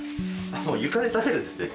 床で食べるんですね。